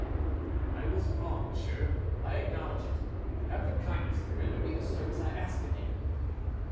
"I was wrong, monsieur, I acknowledge it; have the kindness to render me the service I ask of you."